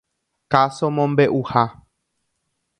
Káso mombeʼuha.